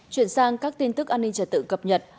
chuyển sang các tin tức an ninh trật tự cập nhật